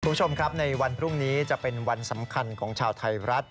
คุณผู้ชมครับในวันพรุ่งนี้จะเป็นวันสำคัญของชาวไทยรัฐ